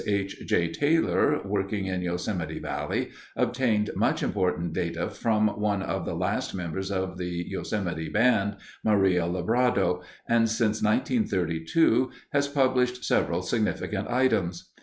H. J. Taylor, working in Yosemite Valley, obtained much important data from one of the last members of the Yosemite band, Maria Lebrado, and since 1932 has published several significant items.